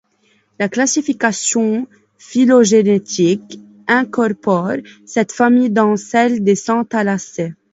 La classification phylogénétique incorpore cette famille dans celle des Santalacées.